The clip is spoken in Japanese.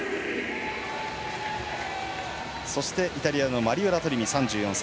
そして、イタリアのアリオラ・トリミ、３４歳。